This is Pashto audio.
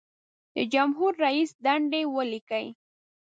د جمهور رئیس دندې ولیکئ.